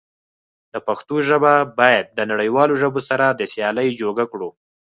د پښتو ژبه بايد د نړيوالو ژبو سره د سيالی جوګه کړو.